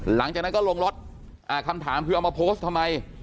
หลังจากนั้นก็ลงรถคำถามคือเอามาโพสต์ทำไม